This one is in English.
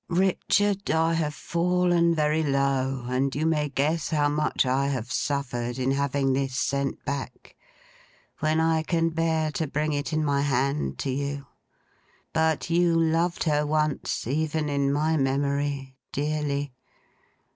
'"Richard, I have fallen very low; and you may guess how much I have suffered in having this sent back, when I can bear to bring it in my hand to you. But you loved her once, even in my memory, dearly.